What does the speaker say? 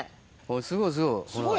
すごいすごい。